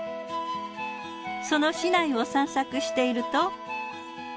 その市内を散策していると。